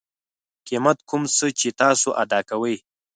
قیمت کوم څه چې تاسو ادا کوئ